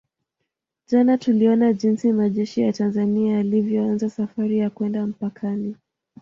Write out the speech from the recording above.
Jana tuliona jinsi majeshi ya Tanzania yalivyoanza safari ya kwenda mpakani